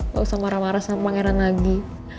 gak usah marah marah sama pangeran lagi